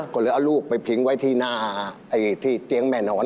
ก็เลยเอาลูกไปพิงไว้ที่หน้าที่เตียงแม่นอน